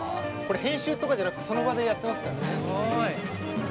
編集とかじゃなくてその場でやってますからね。